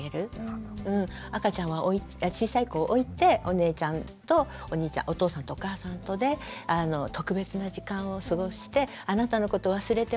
赤ちゃん小さい子を置いてお姉ちゃんとお兄ちゃんお父さんとお母さんとで特別な時間を過ごしてあなたのこと忘れてませんよって。